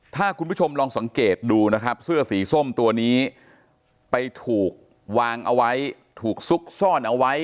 ถ้าคุณผู้ชมลองสังเกตดูนะครับเสื้อสีส้มตัวนี้ไปถูกวางเอาไว้ถูกซุกซ่อนเอาไว้